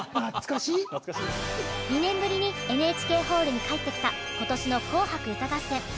２年ぶりにＮＨＫホールに帰ってきた今年の「紅白歌合戦」。